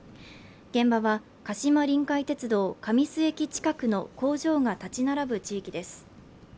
現場は鹿島臨海鉄道神栖駅近くの工場が立ち並ぶ地域です